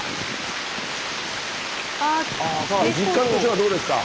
実感としてはどうですか？